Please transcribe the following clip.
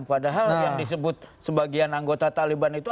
padahal yang disebut sebagian anggota taliban itu